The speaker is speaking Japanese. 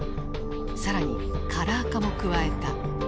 更にカラー化も加えた。